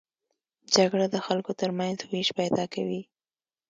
جګړه د خلکو تر منځ وېش پیدا کوي